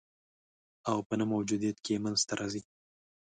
او په نه موجودیت کي یې منځ ته راځي